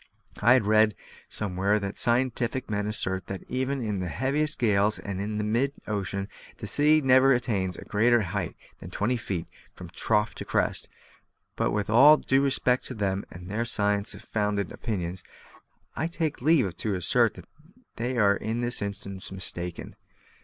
I have read somewhere that scientific men assert that even in the heaviest gales and in mid ocean the sea never attains a greater height than twenty feet from trough to crest; but with all due respect to them and their science founded opinions, I take leave to assert that they are in this instance mistaken.